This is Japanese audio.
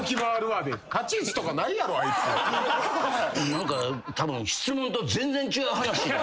何かたぶん質問と全然違う話。